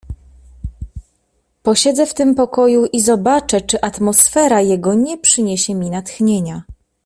"Posiedzę w tym pokoju i zobaczę, czy atmosfera jego nie przyniesie mi natchnienia."